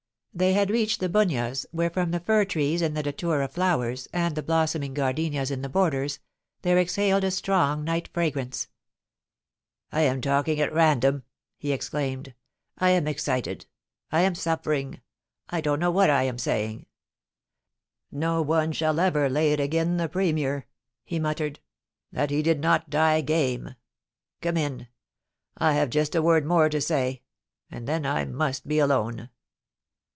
They had reached The Bunyas, whera from the fir trees and the datura flovers, and the blossoming jjardenias in the borders, there exhaled a strong night fragrance. ' I am talking at random !' he exclaimed. ' I am excited — 1 am suffering — I don't know what I am saying. No cm; shall ever lay it agen the Premier,' he muttered, 'that he did not die game. Come in. I have just a word more to say, and then I must be alone.